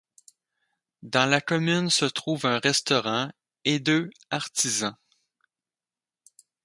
Dans la commune se trouvent un restaurant et deux artisans.